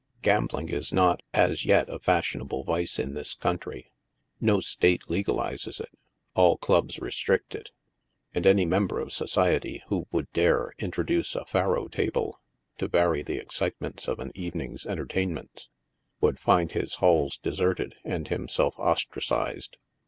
Gambli g is not, as yet, a fashionable vice in this country. No state legalizes it ; all clubs restrict it ; and any member of society who would dare introduce a " faro" table to vary the excitements of an evening's entertainments, would find his halls deserted and him self ostracized.